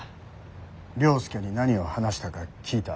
了助に何を話したか聞いた。